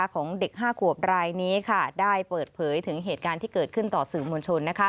ของเด็ก๕ขวบรายนี้ได้เปิดเผยถึงเหตุการณ์ที่เกิดขึ้นต่อสื่อมวลชน